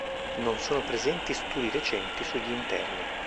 Non sono presenti studi recenti sugli interni.